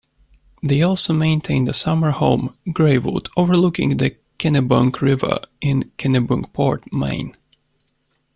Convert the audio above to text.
They also maintained a summer home, "Greywood", overlooking the Kennebunk River in Kennebunkport, Maine.